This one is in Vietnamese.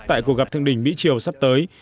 tại cuộc gặp thượng đình mỹ triều sắp tới